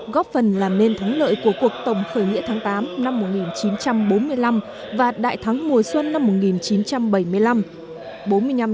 góp phần làm nên thắng lợi của cuộc tổng khởi nghĩa tháng tám năm một nghìn chín trăm bốn mươi năm và đại thắng mùa xuân năm một nghìn chín trăm bảy mươi năm